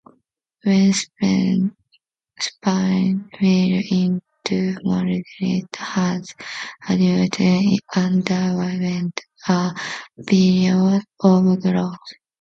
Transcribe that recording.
When Spain fell into Moorish hands, Azuaga underwent a period of growth.